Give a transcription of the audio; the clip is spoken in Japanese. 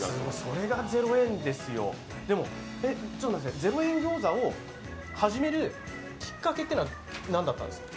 それが０円ですよ、０円餃子を始めるきっかけというのは何だったんですか？